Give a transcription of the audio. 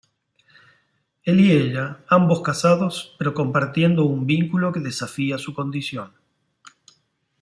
Él y ella, ambos casados, pero compartiendo un vínculo que desafía su condición.